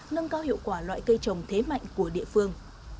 nâng cao hiệu quả loại cây trồng thế mạnh của địa phương